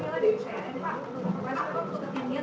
untuk mengucapkan apa yang saya ingin saya sampaikan